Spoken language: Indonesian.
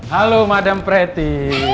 halo madam pretty